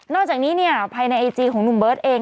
จากนี้เนี่ยภายในไอจีของหนุ่มเบิร์ตเอง